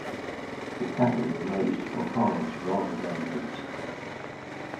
The cattle were raised for hides rather than meat.